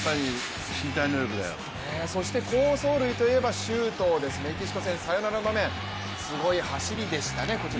そして、好走塁といえば周東です、メキシコ戦のさよならの場面、すごい走りでしたね、こちら。